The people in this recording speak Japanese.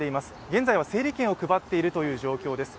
現在は整理券を配っているという状況です。